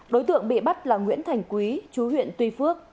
đối tượng bị bắt là nguyễn thành quý chú huyện tuy phước